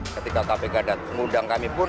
ketika kpk datang undang kami pun